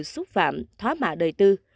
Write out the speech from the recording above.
xúc phạm thóa mạ đời tư